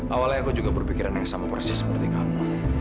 awalnya aku juga berpikiran yang sama persis seperti kamu